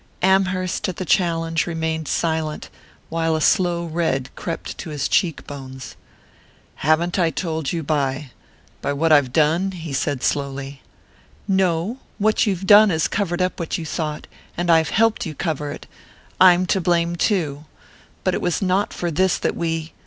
Amherst, at the challenge, remained silent, while a slow red crept to his cheek bones. "Haven't I told you by by what I've done?" he said slowly. "No what you've done has covered up what you thought; and I've helped you cover it I'm to blame too! But it was not for this that we...